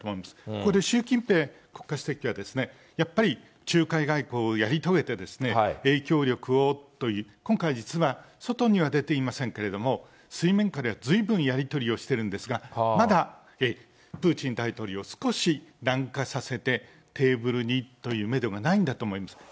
ここで習近平国家主席は、やっぱり仲介外交をやり遂げて、影響力をという、今回、実は外には出ていませんけれども、水面下ではずいぶんやり取りをしているんですが、まだプーチン大統領を少し軟化させて、テーブルにというメドがないんだと思います。